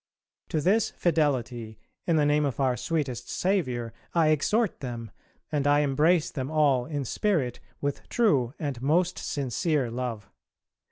To this fidelity, in the name of our sweetest Saviour, I exhort them, and I embrace them all in spirit with true and most sincere love.